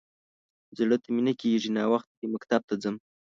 _زړه ته مې نه کېږي. ناوخته دی، مکتب ته ځم.